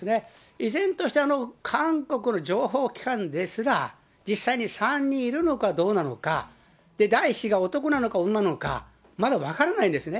依然として韓国の情報機関ですら、実際に３人いるのかどうなのか、第１子が男なのか女なのか、まだ分からないんですね。